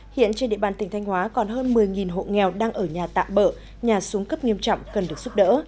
hiện trên địa bàn tỉnh thanh hóa còn hơn một mươi hộ nghèo đang ở nhà tạm bỡ nhà xuống cấp nghiêm trọng cần được giúp đỡ